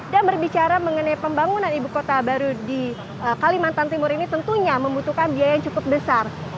dan berbicara mengenai pembangunan ibu kota baru di kalimantan timur ini tentunya membutuhkan biaya yang cukup besar